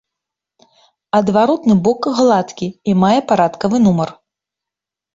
Адваротны бок гладкі і мае парадкавы нумар.